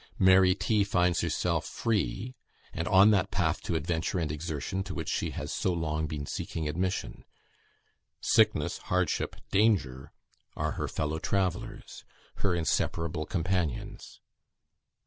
Mary T. finds herself free, and on that path to adventure and exertion to which she has so long been seeking admission. Sickness, hardship, danger are her fellow travellers her inseparable companions.